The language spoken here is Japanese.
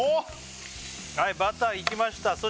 はいバターいきました